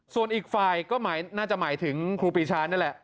ส่วนอีกฝ่ายก็น่าจะหมายถึงครูปีชานั่นแหละ